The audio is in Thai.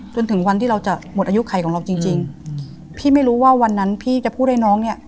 จนถึงวันที่เราจะหมดอายุไขของเราจริงจริงพี่ไม่รู้ว่าวันนั้นพี่จะพูดให้น้องเนี่ย